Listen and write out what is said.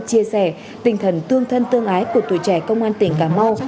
chia sẻ tinh thần tương thân tương ái của tuổi trẻ công an tỉnh cà mau